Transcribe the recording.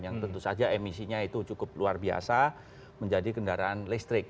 yang tentu saja emisinya itu cukup luar biasa menjadi kendaraan listrik